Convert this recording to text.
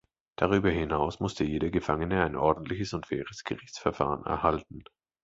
Darüber hinaus muss jeder Gefangene ein ordentliches und faires Gerichtsverfahren erhalten.